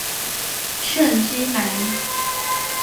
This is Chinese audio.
圣基兰。